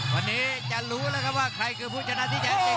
วันนี้จะรู้แล้วครับว่าใครคือผู้ชนะที่แท้จริง